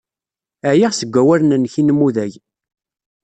Ɛyiɣ seg wawalen-nnek inmudag.